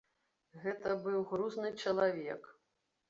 Гэта быў грузны чалавек.